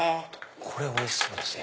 これおいしそうですね